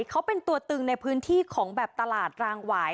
เขาเป็นตัวตึงในพื้นที่ของแบบตลาดรางหวาย